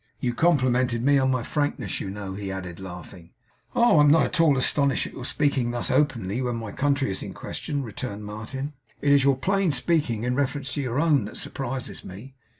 You complimented me on my frankness, you know,' he added, laughing. 'Oh! I am not at all astonished at your speaking thus openly when my country is in question,' returned Martin. 'It is your plain speaking in reference to your own that surprises me.